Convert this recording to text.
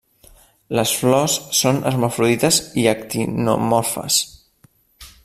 Les flors són hermafrodites i actinomorfes.